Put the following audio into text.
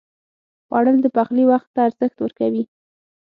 خوړل د پخلي وخت ته ارزښت ورکوي